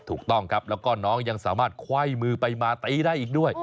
ถูกต้องครับแล้วก็น้องยังสามารถไขว้มือไปมาตีได้อีกด้วย